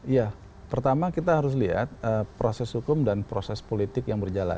ya pertama kita harus lihat proses hukum dan proses politik yang berjalan